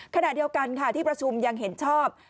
ขณะเดียวกันค่ะที่ประชุมยังเห็นชอบ